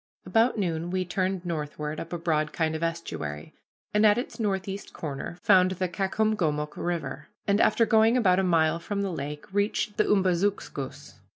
About noon we turned northward up a broad kind of estuary, and at its northeast corner found the Caucomgomoc River, and after going about a mile from the lake reached the Umbazookskus.